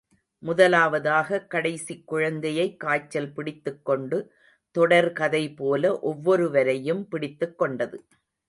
முதலாவதாக கடைசிக் குழந்தையைக் காய்ச்சல் பிடித்துக் கொண்டு, தொடர் கதை போல ஒவ்வொருவரையும் பிடித்துக் கொண்டது.